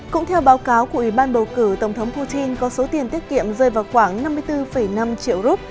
cũng theo báo cáo của ủy ban bầu cử tổng thống putin có số tiền tiết kiệm rơi vào khoảng năm mươi bốn năm triệu rup